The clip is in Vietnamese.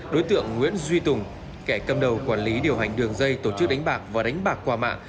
đối tượng nguyễn duy tùng kẻ cầm đầu quản lý điều hành đường dây tổ chức đánh bạc và đánh bạc qua mạng